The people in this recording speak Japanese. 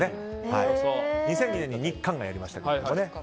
２００２年に日韓がやりましたけど。